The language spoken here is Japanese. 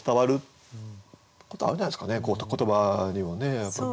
言葉にもねやっぱり。